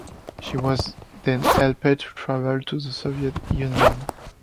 She was then helped to travel to the Soviet Union.